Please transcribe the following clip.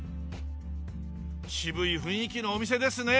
渋い雰囲気のお店ですね。